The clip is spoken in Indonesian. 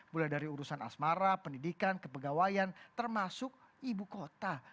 mulai dari urusan asmara pendidikan kepegawaian termasuk ibu kota